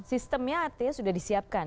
sistemnya artinya sudah disiapkan